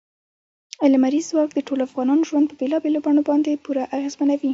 لمریز ځواک د ټولو افغانانو ژوند په بېلابېلو بڼو باندې پوره اغېزمنوي.